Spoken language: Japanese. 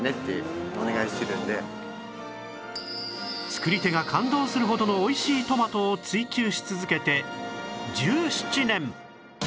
作り手が感動するほどのおいしいトマトを追求し続けて１７年！